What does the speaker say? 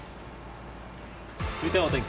続いてはお天気